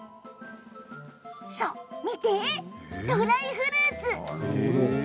見て、ドライフルーツ。